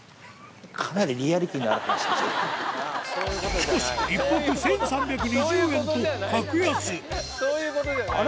しかし一泊１３２０円と格安あら？